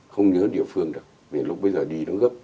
không nhớ địa phương được